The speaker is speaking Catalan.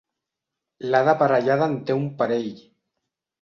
L'Ada Parellada en té un parell.